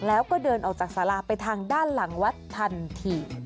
แล้วก็เดินออกจากสาราไปทางด้านหลังวัดทันที